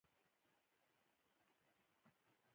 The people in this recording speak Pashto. بادام د افغانستان د ځانګړي ډول جغرافیې استازیتوب کوي.